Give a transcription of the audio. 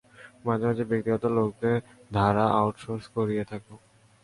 মাঝে মাঝে ব্যক্তিগত লোকেদের ধারা আউটসোর্স করিয়ে থাকি।